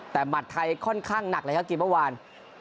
แต่หมัดไทยค่อนข้างหนักเลยครับทีมเมื่อวาน